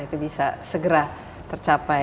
itu bisa segera tercapai